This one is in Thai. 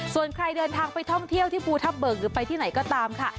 ส่วนใครเดินทางไปท่องเที่ยวที่ภูทับเบิกหรือไปที่ไหนก็ตามค่ะ